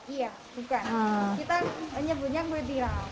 iya bukan kita menyebutnya kue tiram